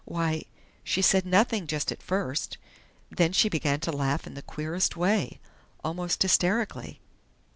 "Why, she said nothing just at first, then she began to laugh in the queerest way almost hysterically.